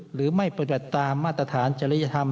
หรือไม่ปฏิบัติตามมาตรฐานจริยธรรม